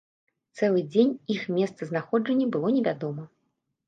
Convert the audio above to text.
Цэлы дзень іх месцазнаходжанне было невядома.